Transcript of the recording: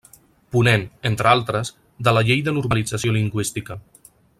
Ponent –entre altres– de la Llei de Normalització Lingüística.